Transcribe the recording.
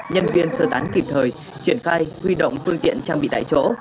nhân viên sơ tán kịp thời triển khai huy động phương tiện trang bị tại chỗ